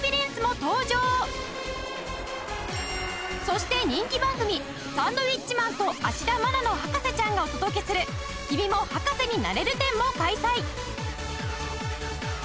そして人気番組『サンドウィッチマン＆芦田愛菜の博士ちゃん』がお届けする「君も博士になれる展」も開催